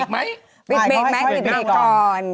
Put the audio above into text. มีข่าวอีกไหมไม่เขาให้ก่อน